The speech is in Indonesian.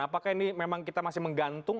apakah ini memang kita masih menggantung